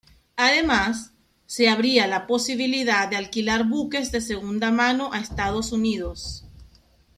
Además, se abría la posibilidad de alquilar buques de segunda mano a Estados Unidos.